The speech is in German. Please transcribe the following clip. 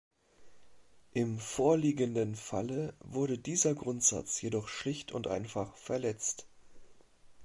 Im vorliegenden Falle wurde dieser Grundsatz jedoch schlicht und einfach verletzt.